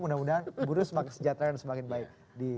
mudah mudahan buruh semakin sejatera dan semakin baik